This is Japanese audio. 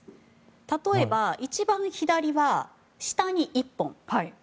例えば、一番左は下に１本。